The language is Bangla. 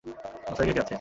বাসায় কে কে আছে?